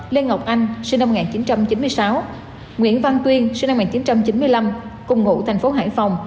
lê ngọc anh sinh năm một nghìn chín trăm chín mươi sáu nguyễn văn tuyên sinh năm một nghìn chín trăm chín mươi năm cung ngụ tp hải phòng